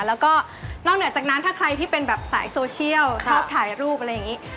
แล้วก็นอกเหนือจากนั้นถ้าใครที่เป็นแบบสายโซเชียลชอบถ่ายรูปอะไรอย่างนี้